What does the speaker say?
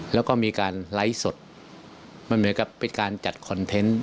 แล้วก็มีการไลฟ์สดมันเหมือนกับเป็นการจัดคอนเทนต์